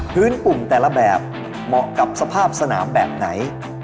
ปุ่มแต่ละแบบเหมาะกับสภาพสนามแบบไหน